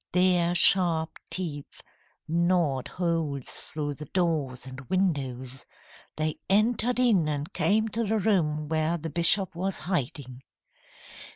Their sharp teeth gnawed holes through the doors and windows. They entered in and came to the room where the bishop was hiding."